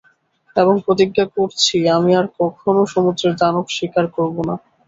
এবং প্রতিজ্ঞা করছি আমি আর কখনও সমুদ্রের দানব শিকার করব না।